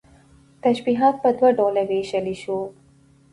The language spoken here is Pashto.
تشبيهات په دوه ډوله ويشلى شو